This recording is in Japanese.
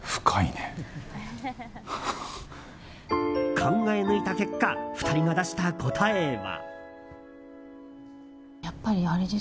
考え抜いた結果２人が出した答えは。